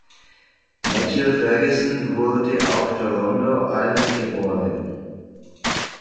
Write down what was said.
Matthew Ferguson wurde auf Toronto Islands geboren.